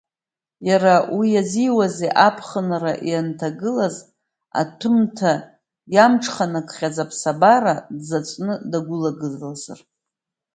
Иара уи иазиуазеи, аԥхынра инҭагылаз, аҭәымҭа иамҽханакхьаз аԥсабара дзаҵәны дагәылагылазар.